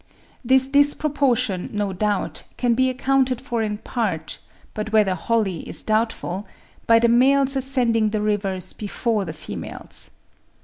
This disproportion, no doubt, can be accounted for in part, but whether wholly is doubtful, by the males ascending the rivers before the females.